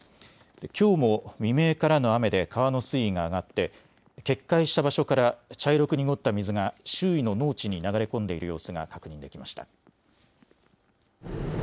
きょうも未明からの雨で川の水位が上がって決壊した場所から茶色く濁った水が周囲の農地に流れ込んでいる様子が確認できました。